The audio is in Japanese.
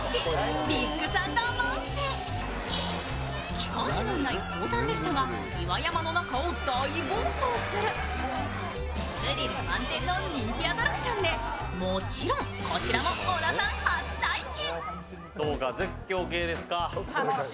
機関士のいない鉱山列車が岩山の中を大暴走するスリル満点の人気アトラクションでもちろんこちらも小田さん初体験。